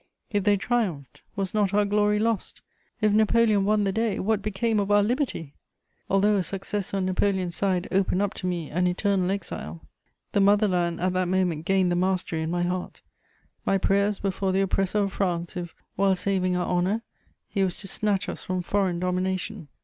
If they triumphed, was not our glory lost? If Napoleon won the day, what became of our liberty? Although a success on Napoleon's side opened up to me an eternal exile, the mother land at that moment gained the mastery in my heart; my prayers were for the oppressor of France, if, while saving our honour, he was to snatch us from foreign domination.